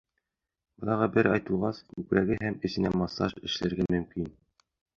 Балаға бер ай тулғас, күкрәге һәм эсенә массаж эшләргә мөмкин.